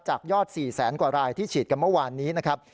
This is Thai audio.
จากยอด๔แสนกว่ารายที่ฉีดกันเมื่อวานนี้นะครับ